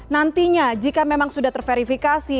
nantinya jika memang sudah terverifikasi